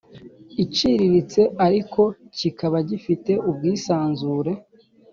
iciriritse ariko kikaba gifite ubwisanzure